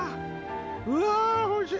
うわおいしい。